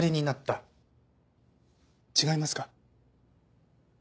違いますか？